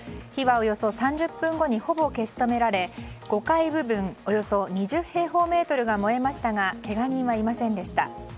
火はおよそ３０分後にほぼ消し止められ５階部分およそ２０平方メートルが燃えましたがけが人はいませんでした。